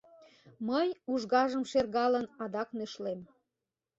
Мый, ужгажым шергалын, адак нӧшлем.